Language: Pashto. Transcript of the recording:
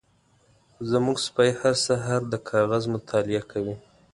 زمونږ سپی هر سهار د کاغذ مطالعه کوي.